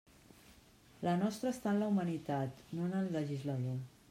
La nostra està en la humanitat, no en el legislador.